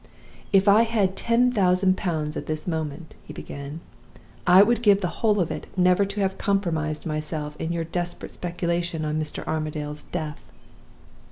"'If I had ten thousand pounds at this moment,' he began, 'I would give the whole of it never to have compromised myself in your desperate speculation on Mr. Armadale's death!